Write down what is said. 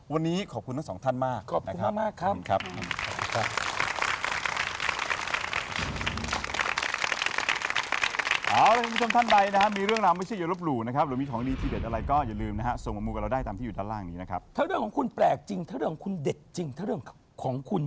วันนี้ขอบคุณทั้งสองท่านมากขอบคุณมากครับขอบคุณครับ